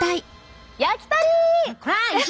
焼き鳥！